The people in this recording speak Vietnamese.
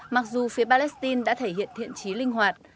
mặc dù phía palestine đã thể hiện thiện trí linh hoạt